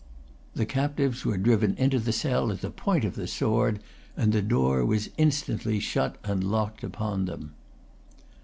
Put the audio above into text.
The captives were driven into the cell at the point of the sword, and the door was instantly shut and locked upon them.